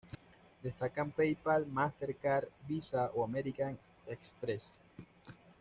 Destacan PayPal, Mastercard, Visa o American Express.